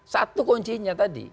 satu kuncinya tadi